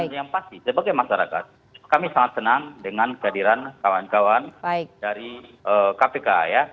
dan yang pasti sebagai masyarakat kami sangat senang dengan kehadiran kawan kawan dari kpk ya